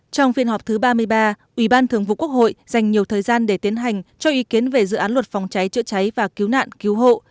trong phiên họp thứ ba mươi ba ủy ban thường vụ quốc hội dành nhiều thời gian để tiến hành cho ý kiến về dự án luật phòng cháy chữa cháy và cứu nạn cứu hộ